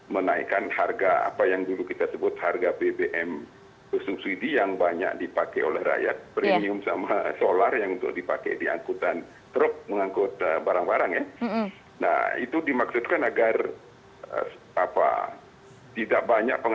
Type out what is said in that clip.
maksudnya kan itu tidak populis ya